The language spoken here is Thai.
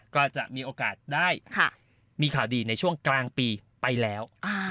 ก็จะมีโอกาสได้มีข่าวดีในช่วงกลางปีไปแล้ว